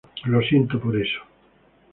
Lo siento por eso.